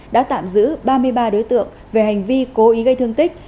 đã tạm giữ ba mươi ba đối tượng về hành vi cố ý gây thương tích